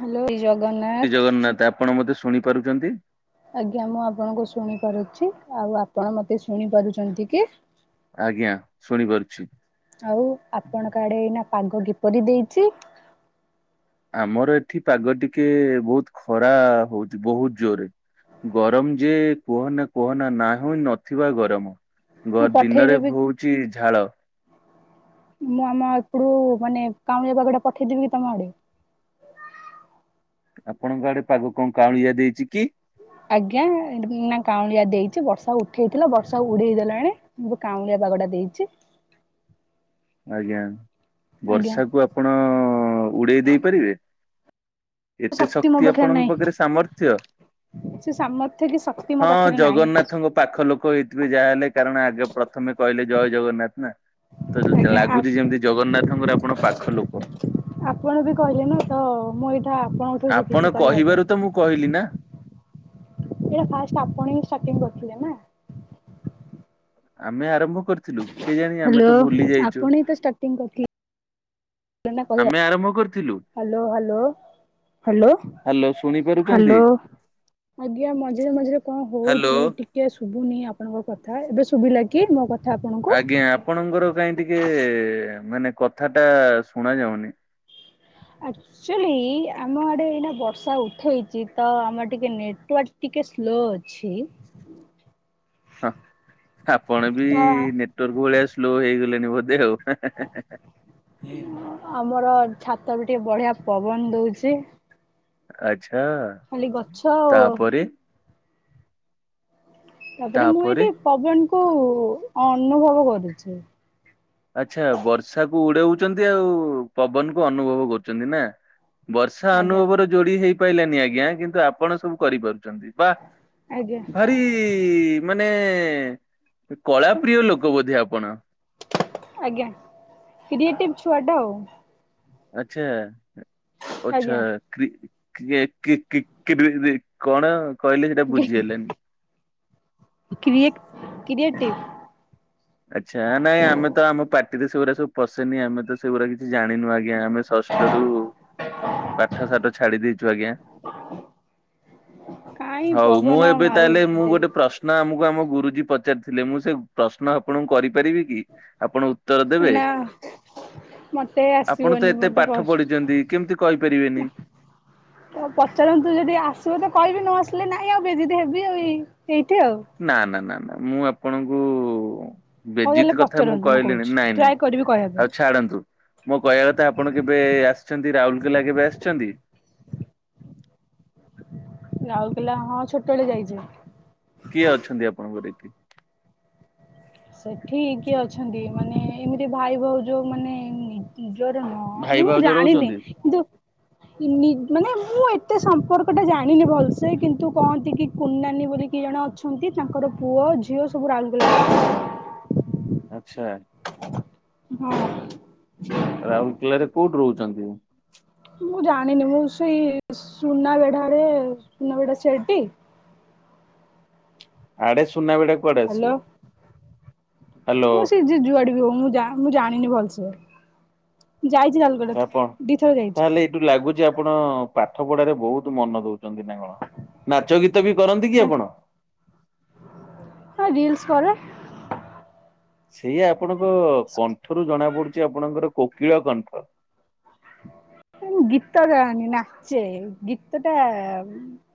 Hello ଜୟ ଶ୍ରୀ ଜଗନ୍ନାଥ। ଜଗନ୍ନାଥ ଆପଣ ମତେ ଶୁଣିପାରୁଛନ୍ତି? ଆଜ୍ଞା ମୁଁ ଆପଣଙ୍କୁ ଶୁଣିପାରୁଛି। ଆଉ ଆପଣ ମତେ ଶୁଣି ପାରୁଛନ୍ତି କି? ଆଜ୍ଞା ଶୁଣିପାରୁଛି। ଆଉ ଆପଣ କା ଆଡେ ଏଇନା ପାଗ କିପରି ଦେଇଚି। ଆମର ଏଠି ପାଗ ଟିକେ ବହୁତ ଖରା ହଉଛି ବହୁତ ଜୋରେ। ଗରମ ଯେ କୁହନା କୁହନା ନାହୁଁ ନଥିବା ଗରମ। ମୁଁ ଗର୍ ଦିନରେ ପଠେଇଦେବି ବୋହୁଛି ଝାଳ। ମୁଁ ଆମ ଏପଟୁ ମାନେ କାଉଁ ଳିଆ ପାଗ ଟା ପଠେଇ ଦେବି କି ତମ ଆଡେ। ଆପଣଙ୍କ ଆଡେ ପାଗ କଣ କାଉଁଳିଆ ଦେଇଚି କି? ଆଜ୍ଞା ଉ-ନା କାଉଁଳିଆ ଦେଇଛି ବର୍ଷା ଉଠେଇ ଥିଲା ବର୍ଷା ଉଡେଇ ଗଲାଣି ଏବେ କାଉଁଳିଆ। ପାଗ ଟା ଦେଇଛି। ହ ଆଜ୍ଞା ଆଜ୍ଞା। ବର୍ଷା କୁ ଆପଣ ଉଡେଇ ଦେଇ ପାରିବେ। ଏତେ ଶକ୍ତି ମୋ ପାଖରେ ଆପଣଙ୍କ ସାମର୍ଥ୍ୟ? ନହିଁ ସେ ସାମର୍ଥ୍ୟ କି ଶକ୍ ହଁ ଜଗନ୍ନାଥଙ୍କ ପାଖ ଲୋକ ହେଇଥିବେ ଯାହାହେଲେ କାରଣ ଆଗେ ପ୍ରଥମେ କହିଲେ ଜୟ ଜଗନ୍ନାଥ ନା। ତ-ଜ ଆଜ୍ଞା ଲାଗୁଛି ଯେମିତି ଜଗନ୍ନାଥଙ୍କର ଆପଣ ପାଖ ଲୋକ। ଆପଣ ବି କହିଲେ ନା ତ ମୁଁ ଏଇଟା। ଆପଣଙ୍କଠୁ ଶିଖିଛି ଆପଣ କହିବା ପାଇଁ। କହିବାରୁ ତ ମୁଁ କହିଲି ନା। ଏଇଟା ଫାଷ୍ଟ ଆପଣ ହିଁ ଷ୍ଟାଟିଙ୍ଗ କରିଥିଲେ ନା। ଆମେ ଆରମ୍ଭ କରିଥିଲୁ କେ ଜାଣି ଆମେ ହ୍ୟାଲୋ ତ ଭୁଲି ଯାଇଛୁ। ଆପଣ ହିଁ ତ ଷ୍ଟାର୍ଟିଂ କରିଥିଲେ ଆମେ ଆରମ୍ଭ କରି ହାଲୋ ଆଲୋ ହାଲୋ। ହାଲୋ ଶୁଣି ପାରୁଛନ୍ତି? ହାଲୋ ଆଜ୍ଞା ମଝିରେ ମଝିରେ କଣ ହାଲୋ ହଉଛି ଟିକେ ସୁ ଭୂନି ଆପଣଙ୍କ କଥା ଏବେ ଶୁଭିଲାକି ମୋ କଥା। ଆପଣଙ୍କୁ? ଆଜ୍ଞା ଆପଣଙ୍କର କାହିଁ ଟିକେ ମାନେ। କଥା ଟା ଶୁଣା ଯାଉନି। ଆକଚୁଆଲି ଆମ ଆଡେ ଏଇନା ବର୍ଷା ଉଠେଇଛି ତ ଆମର ଟିକେ ନେଟୱାର୍ ଟି କେ ସ୍ଲୋ ଅଛି। ହଁ ଆପଣ ବି ତ ନେଟୱାର୍କ ଭଳିଆ ସ୍ଲୋ ହେଇଗଲେଣି ବୋଧେ ଆଉ। ଆମର। ଛାତ ବି ଟିକେ ବଢିଆ ପବନ ଦଉଛି। ଆଛା ଖାଲି ଗଛ ଆଉ ତା ପରେ। ତାପରେ ମୁଁ ଏଇଠି ପବନ କୁ ଅନୁଭବ କରୁଛି। ଆଚ୍ଛା ବର୍ଷା କୁ ଉଡଉଛନ୍ତି ଆଉ ପବନ କୁ ଅନୁଭବ କରୁଛନ୍ତି ନା। ବର୍ଷା ଆଜ୍ଞା ଅନୁଭବ ର ଯୋଡି ହେଇପାଇଲାନି ଆଜ୍ଞା କିନ୍ତୁ ଆପଣ ସବୁ କରିପାରୁ ଚନ୍ତି ବା ଆଜ୍ଞା ଭାରି ମାନେ। କଳା ପ୍ରିୟ ଲୋକ ବୋଧେ ଆପଣ। ଆଜ୍ଞା କ୍ରିଏଟିଭ ଛୁଆ ଟା ଆଉ। ଆଚ୍ଛା ଅଚ୍ଛା ଆଜ୍ଞା। କ୍ରି କ୍ରିଏ - କି - କି -କ୍ରି -ରେ କଣ କହିଲେ ସେଟା ବୁଝିହେଲାନି। Create creative. ଆଚ୍ଛା ଆ ନାଇଁ ଆମେ ତ ଆମ ପାଟି ରେ ସେଗୁରା ସବୁ ପଶେନି ଆମେ ତ ସେଇଗୁରା କିଛି ଛି ଜାଣିନୁ ଆଜ୍ଞା ଆମେ ଷଷ୍ଟ ରୁ। ପାଠ ସାଠ ଛାଡି ଦେଇଛୁ ଆଜ୍ଞା। କାଇଁ ହଉ ମୁଁ ପବନ ଏବେ ତାହେଲେ ମୁଁ ମାରୁଛନ୍ତି। ଗୋଟେ ପ୍ରଶ୍ନ ଆମକୁ ଆମ ଗୁରୁଜୀ ପଚାରିଥିଲେ ମୁଁ ସେ ପ୍ରଶ୍ନ ଆପଣଙ୍କୁ କରିି ପାରିବି କି ଆପଣ ଉତ୍ତର ଦେବେ। ନା ମତେ ଆପଣ ତ ଆସିବନି ଏତେ ମତେ ପାଠ ପଢିଛନ୍ତି କେମିତି କହିପାରିବେନି। ହଉ ପଚାରନ୍ତୁ ଯଦି ଆସିବ ତ କହିବି ନ ଆସିଲେ ନାଇଁ ଆଉ ବେଜିତ ହେବି ଆଉ ଏଇ ଏଇଠି ଆଉ। ନା ନା ନା ନା ମୁଁ ଆପଣଙ୍କୁ। ହଉ ତାହେଲେ ବେଜିତ କଥା ମୁଁ ପଚାରନ୍ତୁ କହିଲିଣି କହୁଛି ନାଇଁ ନାଇଁ। ଟ୍ରାଏ କରିବି କହିବା ହଉ ପାଇଁ ଛାଡନ୍ତୁ ମୋ କହିବା କଥା ଆପଣ କେବେ ଆସ ଛନ୍ତି, ରାଉଲକେଲା କେବେ ଆସିଛନ୍ତି? ରାଉଲକେଲା ହଁ ଛୋଟବେଳେ ଯାଇଛେ। କିଏ ଅଛନ୍ତି ଆପଣଙ୍କର ଏଠି? ସେଠି କିଏ ଅଛନ୍ତି, ମାନେ ଏମିତି ଭାଇ ଭାଉଜ ମାନେ ନି ନିଜର ହଁ ଭାଇ ମୁଁ ଭାଉଜ ଜାଣିନି। ରହୁଛନ୍ତି କିନ୍ତୁ ନି ମାନେ ମୁଁ ଏତେ ସମ୍ପର୍କ ଟା ଜାଣିନି ଭଲସେ କିନ୍ତୁ କହନ୍ତି କି କୁନ ନାନୀ ବୋଲି କିଏ ଜଣେ ଅଛନ୍ତି। ତାଙ୍କର ପୁଅ ଝିଅ ସବୁ ରାଉଲକେଲା ଆଚ୍ଛା। ହଁ। ରାଉରକେଲାରେ କୋଉଠୁ ରହୁଚନ୍ତି? ମୁଁ ଜାଣିନି ମୁଁ ସେଇ ସୁନାବେଢାରେ, ସୁନାବେଢା ସେଇଟି ଆଡେ ସୁନାବେଡା କୁଆଡେ ଆସିବ ହାଲୋ ହ୍ୟାଲୋ ମୁଁ ସେ ଯୁଆଡେ ବି ହଉ ମୁଁ ଜା ମୁଁ ଜାଣିନି ଭଲସେ। ଯାଇଚି ରାଉଲକେଡା ଆପଣ ଥ ଦିଥର ଯାଇଛି। ତାହେଲେ ଏଇଠୁ ଲାଗୁଛି ଆପଣ ପାଠ ପଢାରେ ବହୁତ ମନ ଦଉ ଚନ୍ତି ନା କଣ ନାଚ ଗୀତ ବି କରନ୍ତି କି ଆପଣ? ହଁ ରିଲସ କରେ। ସେଇ ଆପଣଙ୍କ କଣ୍ଠରୁ ଜଣା ପଡୁ ଆପଣଙ୍କର କୋକିଳ କଣ୍ଠ। ହେ ମୁଁ ଗୀତ ଗାଏନି। ନାଚେ। ଗୀତ ଟା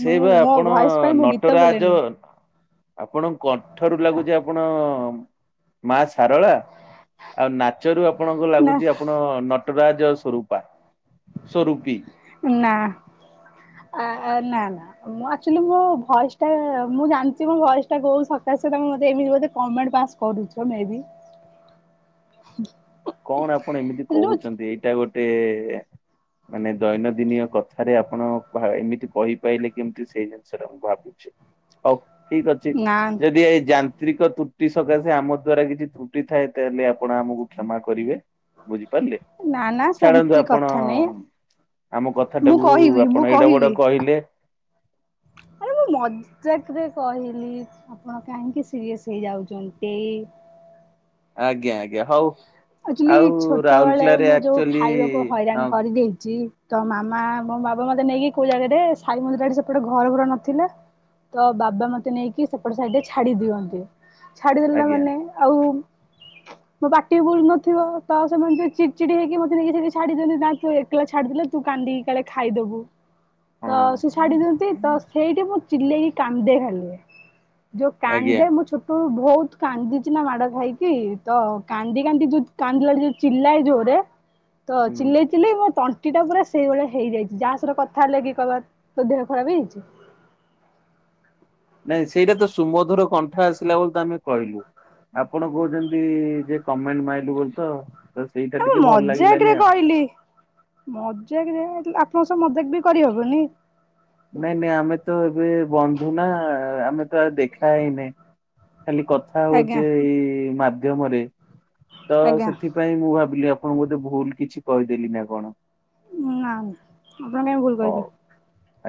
ସେଇ ମୁଁ ବା ମୋ ଆପଣ ଭଏସ ପାଇଁ ମୁଁ ଗୀତ ନଟରାଜ। ବୋଲେନି ଆପଣ କଣ୍ଠ ରୁ ଲାଗୁଚି ଆପଣ ମା ସାରଳା। ଆଉ ନାଚରୁ ଆପଣଙ୍କୁ ନା ଲାଗୁଚି ଆପଣ ନଟରାଜ ସ୍ୱରୂପା। ସ୍ଵରୂପୀ। ନା। ଆ, ଆ, ନା ନା ମୁଁ ଆକ୍ଚୁଲି ମୋ ଭଏସ୍ ଟା ମୁଁ ଜାଣିଚି ମୋ ଭଏସ୍ ଟା କୋଉ ସକାସେ ତୋମ ମୋତେ ଏମିତି ବୋଧେ କମେଣ୍ଟ ପାସ କରୁଛ ମେ ବି। ହ [inaudible] ହ [inaudible] କଣ ଆପଣ ଏମିତି କହୁଚନ୍ତି ଏଇଟା ଗୋଟେ ମାନେ ଦୈନନ୍ଦିନୟ କଥାରେ ଆପଣ ଭା ଏମିତି କହିପାରିଲେ କେମିତି ସେଇ ଜିନିଷ ଟା ମୁଁ ଭାବୁଛି। ହଉ ଠିକ ଅଛି ନା ଯଦି ଏଇ ଜାଣ ତ୍ରିକ ତ୍ରୁଟି ସକାଶେ ଆମ ଦ୍ଵାରା କିଛି ତ୍ରୁଟି ଥାଏ ତାହେଲେ ଆପଣ ଆମକୁ କ୍ଷମା କରିବେ। ବୁଝିପାରିଲେ, ନା ନା ଛାଡ଼ନ୍ତୁ ସେମିତି ଆପଣ କଥା ନାଇଁ ଆମ କଥା ମୁଁ ଟାକୁ କହିବି ଆପଣ ମୁଁ ଏଡ ବଡ କହିବି କହିଲେ। ଆରେ ମୁଁ ମଜାକରେ କହିଲି। ଆପଣ କାହିଁକି ସିରିଏସ୍ ହେଇଯାଉଚନ୍ତି। ଆଜ୍ଞା, ଆଜ୍ଞା। ହଉ ଆକ୍ଚୁଲି ଆଉ ଛୋଟ ବେଳେ ରାଉରକେଲାରେ ମୁଁ ଯୋଉ ଆକ୍ଚୁଆଲି ଖାଇବାକୁ ହଇରାଣ ହଁ କରିଦେଇଚି। ତ ମାମା ମୋ ବାବା ମୋତେ ନେଇକି କୋଉ ଜାଗାରେ ସାଇ ମନ୍ଦିର ଆଡେ ସେପଟେ ଘର ଫର ନଥିଲା। ତ ବାବା ମୋତେ ନେଇକି ସେପଟେ ସାଇଡ ଛାଡି ଦିଅନ୍ତି। ଛାଡିଦେଲା ଆଜ୍ଞା ମାନେ ଆଉ ମୋ ପାଟି ବି ଖୁଲ ନଥିବ ତ ସେମାନେ ଯେ ଚି ଚିଡ ହେଇକି ମୋତେ ନେଇକି ସେଟି ଛାଡିଦେଲେ। ଜାଣିଥିବ ଏକଲା ଛାଡିଦେଲେ ତୁ କା କାନ୍ଦିକି କାଳେ ଖାଇଦବୁ। ତ ହଁ ସେ ଛାଡିଦିଅନ୍ତି। ତ ସେଇଟି ମୁଁ ଚିଲେଇକି କାନ୍ଦେ ଖାଲି। ଯୋଉ ଆଜ୍ଞା କାନ୍ଦେ ମୁଁ ଛୋଟବଳୁ ବହୁତ କାନ୍ଦିଚି ନା ମାଡ ଖାଇକି ତ କାନ୍ଦି କାନ୍ଦି ଯୋଉ କାନ୍ଦିଲାଳେ ଯୋଉ ଚିଲାଏ ଜୋରେ ତ ହୁଁ ଚିଲେଇ ଚିଲେଇ ମୋ ତଣ୍ ଟିଟା ପୁରା ସେଇଭଳିଆ ହେଇଯାଇଚି। ଯା ସର କଥା ହେଲେ କି କହିବ ତ ଦେହ ଖରାପ ହେଇଯାଇଛି। ନାଇଁ ସେଇଟା ତ ସୁମଧୁର କଣ୍ଠ ଆସିଲା ବୋଲି ତ ଆମେ କହିଲୁ। ଆପଣ କହୁଚନ୍ତି ଯେ କମେଣ୍ଟ ମାଇଲୁ ବୋଲି ତ। ତ ସେଇଟା ଏ ମୁଁ ଟିକେ ଭଲ ଲାଗିଲାନି ମଜାକରେ ଆଉ। କହିଲି। ମଜାକରେ ଆପଣ ସ ମଜାକ ବି କରିହବନି। ନାଇଁ ନାଇଁ ଆମେ ତ ଏବେ ବନ୍ଧୁ ନା ଆମେ ତ ଆ ଦେଖା ହଇନେ। ଖାଲି କଥା ଆଜ୍ଞା ହଉଚେ ଏଇ ମାଧ୍ୟମରେ ତ ଆଜ୍ଞା। ସେଥିପାଇଁ ମୁଁ ଭାବିଲି ଆ ଆପଣ ବୋଧେ ଭୁଲ କିଛି କହିଦେଲି ନା କଣ? ନା ନା ହଉ [unintelligible]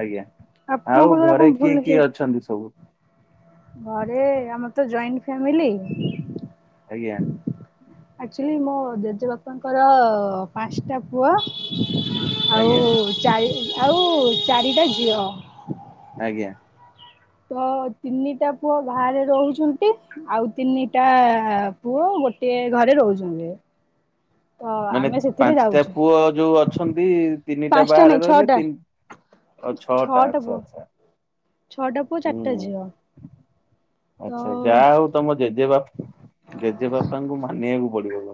ଆଜ୍ଞା ଆଉ ଘରେ ଭୁଲ କିଏ ହେଇ କିଏ ଅଛନ୍ତି ସବୁ। ଘରେ ଆମର ତ ଜଏଣ୍ଟ ଫ୍ୟାମିଲି। ଆଜ୍ଞା। ଏଇ ମୋ ଜେଜେବାପାଙ୍କର ପାଞ୍ଚଟା ପୁଅ। ଆଉ ଆଜ୍ଞା ଚାରି ଆଉ ଚାରିଟା ଝିଅ। ଆଜ୍ଞା। ତ ତିନିଟା ପୁଅ ବାହାରେ ରହୁଚନ୍ତି। ଆଉ ତିନିଟା ପୁଅ ଗୋଟିଏ ଘରେ ରହୁଚନ୍ତି। ହ ମାନେ ପାଞ୍ଚଟା ପୁଅ ଯୋଉ ଅଛନ୍ତି ତିନିଟା ପାଞ୍ଚଟା ବାହାରେ ନାଇଁ ରହିଲେ ଛଅଟା ତିନି ଓ ଛଅଟା ଆଚ୍ଛା ଆଚ୍ଛା। ଛଅଟା ପୁଅ ହୁଁ ଚାରିଟା ଝିଅ। ତ ଆଚ୍ଛା ଯାହା ହଉ ତମ ଜେଜେବାପା ଜେଜେବାପାଙ୍କୁ ମାନିବାକୁ ପଡିବ।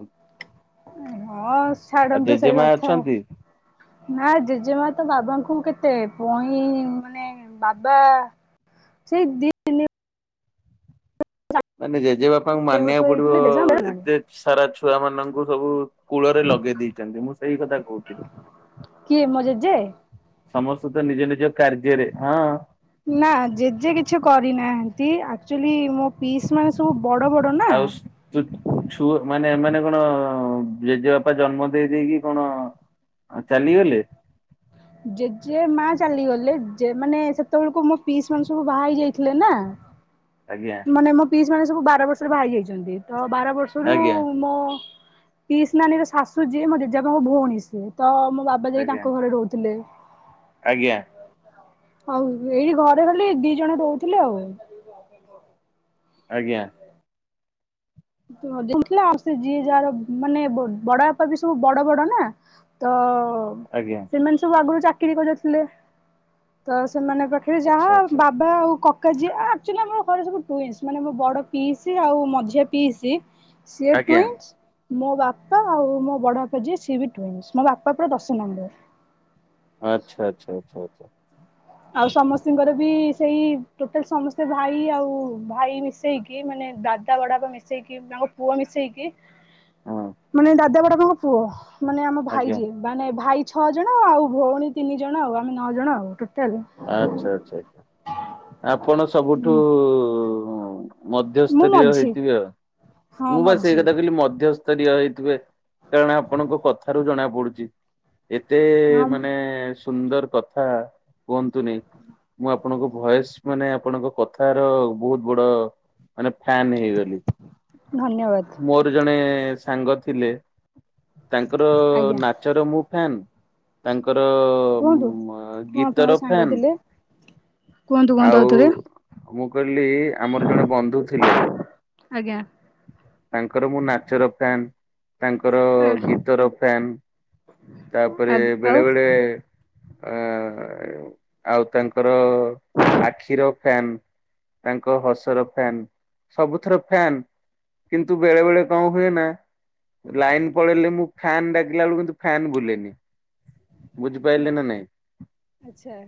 ହଁ ଆଉ ଛାଡନ୍ତୁ ସେଇ ଜେଜେମା କଥା ଅଛନ୍ତି ନା ଜେଜେମା ତ ବା ବାବାଙ୍କୁ କେତେ ପଇଁ ମାନେ ବାବା ସେଇ ଦିନେ ମାନେ ଜେଜେବାପାଙ୍କୁ ବର୍ଷ ମାନିବାକୁ ପଡିବ। ହେଇଥିଲେ ଜେଜେମା ମରିଗଲାଣି ଏତେ ସାରା ଛୁଆ ମାନଙ୍କୁ ସବୁ କୂଳରେ ଲଗେଇ ଦେଇଚନ୍ତି ମୁଁ ସେଇ କଥା କହୁଥିଲି। କିଏ ମୋ ଜେଜେ ସମସ୍ତେ ତ ନିଜେ ନିଜେ ନା ଜେଜେ କିଛି କରିନାହାନ୍ତି ଆକଚୁଆଲି ମୋ ପିସ୍ ମା ସହ ବଡ ବଡ ନା? ନା ଏମାନେ କଣ ଜେଜେବାପା ଜନ୍ମ ଦେଇ ଦେଇେଇକି କଣ? ଆଉ ଚାଲିଗଲେ। ଜେଜେ ମା ଚାଲିଗଲେ ଯେ ମାନେ ସେତେବେଳକୁ ମୋ ପି ମାନ ସବୁ ବାହା ହେଇ ଯାଇଥିଲେ ନା। ଆଜ୍ଞା ମାନେ ମୋ ପିସ୍ ମାନେ ସବୁ ବାର ବର୍ଷରୁ ଭାଇ ଯାଇଛନ୍ତି ତ ବାର ବର୍ଷରୁ ଆଜ୍ଞା ମୋ' ପ୍ଇସ୍ ନାନୀଙ୍କ ଶାଶୁ ଯିଏ ମୋେଜେ ପାଇଁ ମୋ ଭଉଣୀ ସିଏ ତ ଆମ ବାବା ଯାଇ ଆଜ୍ଞା ତାଙ୍କ ଘରେ ରହୁଥିଲେ ଆଜ୍ଞା ଆଉ ଏଇ ଘରେ ଖାଲି ଦି ଜଣ ରହୁଥିଲେ ଆଉ। ଆଜ୍ଞା। ସେ ଥିଲା ଯିଏ ଯାହାର ମାନେ ବଡ ବାପା ବି ସବୁ ବଡ ବଡ ନା ତ ହ ଆଜ୍ଞା ସେମାନେ ସବୁ ଆଗରୁ ଚାକିରି କରିନଥିଲେ। ତ ସେମାନେ ପାଖରେ ଆଚ୍ଛା ଯାହା ଆଚ୍ଛା ବାବା ଆଉ କ ତାଙ୍କ ଝିଅ ଆକଚୁଆଲି ଆମ ଘରେ ସବୁ ପୁଅ ହେଇଚି। ମାନେ ମୋ ବଡ ପିଇସ୍ ଆଉ ମଝିଆ ପିଇସ୍ ସେ ଆଜ୍ଞା ଟୁଇନ୍ସ। ମୋ ବାପା ଆଉ ମୋ ବଡ ବାପା ଯିଏ ସିଏବି ଟୁଇନ୍ସ। ମୋ ବାପା ପୁରା ଦଶ ନମ୍ବର। ଆଚ୍ଛା ଆଚ୍ଛା ଆଚ୍ଛା ଆଚ୍ଛା। ଆଉ ସମସ୍ତଙ୍କର ବି ସେଇ ଟୋଟାଲ ସମସ୍ତେ ଭାଇ ଆଉ ଭାଇ ମିଶେଇକି ମାନେ ଦାଦା ବଡାପା ମିଶେଇକି ମୋ ପୁଅ ମିଶେଇକି ହଁ ମାନେ ଦାଦା ବଡପାଙ୍କ ପୁଅ ମାନେ ଆମ ଭାଇ ଆଜ୍ଞା ଜିଏ ମାନେ ଭାଇ ଛଅ ଜଣ ଆଉ ଭଉଣୀ ତିନି ଜଣ ଆଉ ଆମେ ନଅ ଜଣ ଆଉ। ଟୋ ଆଚ୍ଛା ଆଚ୍ଛା ଆଛା ଆପଣ ସବୁଠୁ ମୁଁ ମଧ୍ୟସ୍ତରୀୟ ମଝି ହେଇଥୀବ। ହଁ ମୁଁ ବାସ ଏଇ ମଝି କଥା କହିଲି ମଧ୍ୟସ୍ତରୀୟ ହେଇଥିବେ, କାରଣ ଆପଣଙ୍କ କଥାରୁ ଜଣା ପଡୁଚି, ଏତେ ହଁ ମାନେ ସୁନ୍ଦର କଥା କୁହନ୍ତୁନି, ମୁଁ ଆପଣଙ୍କ ଭଏସ ମାନେ ଆପଣଙ୍କ କଥାର ବହୁତ ବଡ ମାନେ ଫ୍ୟାନ ହେଇଗଲି, ଧନ୍ୟବାଦ ମୋର ଜଣେ ସାଙ୍ଗ ଥିଲେ ତାଙ୍କର ଆଜ୍ଞା ନାଚର ମୁଁ ଫ୍ୟାନ, ତାଙ୍କ ତାଙ୍କର କୁହନ୍ତୁ କଣ ଗୀତ ଆପଣଙ୍କ ସାଙ୍ଗ ଥିଲେ କୁହନ୍ତୁ, କୁହନ୍ତୁ, ଆଉ ଥରେ ମୁଁ କହିଲି ଆମର ଜଣେ ବନ୍ଧୁ ଥିଲେ। ଆଜ୍ଞା ତାଙ୍କର ମୁଁ ନାଚର ଫ୍ୟାନ୍। ତାଙ୍କର ଆ ଗୀତର ଫ୍ୟାନ, ଆ ତାପରେ ବେଳେ ଆଉ ବେଳେ ଅ ଆଉ ତାଙ୍କର ଆଖିର ଫନ୍, ତାଙ୍କ ହସର ଫ୍ୟାାନ, ସବୁଥର ଫ୍ୟାନ୍ କିନ୍ତୁ ବେଳେ ବେଳେ କଣ ହୁଏ ନା? ଲାଇନ ପଳେଇଲେ ମୁଁ ଫ୍ୟନ୍ ଡାକିଲା ବେଳକୁ କିନ୍ତୁ ଫନ୍ ବୁଲେନି ଆଚ୍ଛା ବୁଝିପାରିଲେ ନା ନାଇଁ ଆଚ୍ଛା।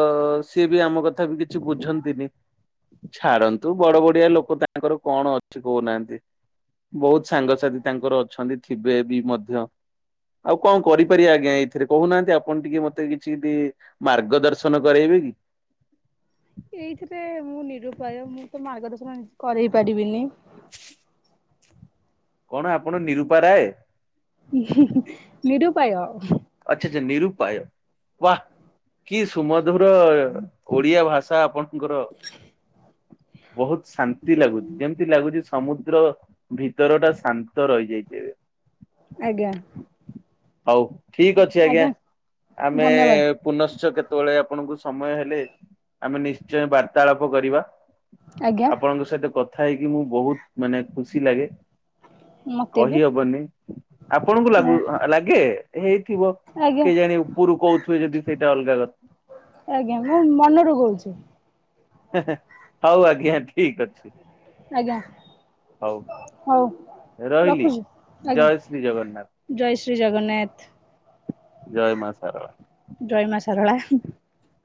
ତ ସିଏ ବି ଆମ କଥା ବି କିଛି ବୁଝନ୍ତିନି। ଛାଡନ୍ତୁ ବଡ ବଡିଆ ଲୋକ ତାଙ୍କର କଣ ଅଛି କହୁନାହାନ୍ତି, ବହୁତ ସାଙ୍ଗସାଥି ତାଙ୍କର ଅଛନ୍ତି, ଥିବେ ବି ମଧ୍ୟ, ଆଉ କଣ କରିପାରିବା ଆଜ୍ଞା, ଏଇ ସେଥିରେ କହୁନାହାନ୍ତି ଆପଣ ଟିକେ ମତେ କିଛି ଟ ମାର୍ଗ ଦର୍ଶନ କରାଇବେ କି? ଏଇଥିରେ ମୁଁ ନିରୁପାୟ, ମୁଁ ତ ମାର୍ଗ ଦର୍ଶନ କରେଇ ପାରିବିନି। କଣ ଆପଣ ନିରୁପା ରାୟ। ନିରୁପାୟ ଆଚ୍ଛା, ଆଚ୍ଛା ନିରୁପାୟ, ବାଃ କି ସୁମଧୁର ଓଡିଆ ଭାଷା ଆପଣଙ୍କର ବହୁତ ଶାନ୍ତି ଲାଗୁଛି, ଯେମିତି ଲାଗୁଛି -ସମୁଦ୍ର ଭିତର ଟା ଶାନ୍ତ ରହିଯାଇଚି ଆଜ୍ଞା ହଉ ଠିକ ଅଛି ଆଜ୍ଞା, ଆମେ ଧନ୍ୟବାଦ ପୁନଶ୍ଚ କେତେ ତେଳେ ଆପଣଙ୍କୁ ସମୟ ହେଲେ, ଆମେ ନିଶ୍ଚୟ ବାର୍ତ୍ତାଳାପ କରିବା ଆଜ୍ଞା ଆପଣଙ୍କ ସହିତ କଥା ହେଇକି ମୁଁ ବହୁତ ମାନେ ଖୁସି ଲାଗେ ମତେ ବି କହି ହବନି, ଆପଣଙ୍କୁ ଲାଗୁ ମୁଁ ଆଗେ ହେଇଥିବ, ଆଜ୍ଞା କେଜାଣି -ଉପରୁ କହୁଥିବେ ଯଦି ସେଇଟା ଅଲଗା କଥା। ଆଜ୍ଞା ମନରୁ କହୁଛି। ହଉ, ଆଜ୍ଞା ଠିକ ଅଛି। ଆଜ୍ଞା, ହଉ ହଉ ରହିଲି ରଖୁଛି ଆଜ୍ଞା, ଜୟ ଶ୍ରୀ ଜଗନ୍ନାଥ ଜୟ ଶ୍ରୀ ଜଗନ୍ନାଥ ଜୟ ମା ସାରଳା। [inaudible]